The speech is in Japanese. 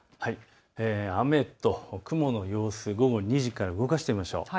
雨と雲の様子、午後２時から動かしてみましょう。